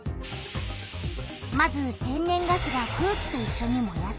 まず天然ガスが空気といっしょに燃やされる。